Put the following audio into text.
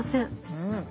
うん。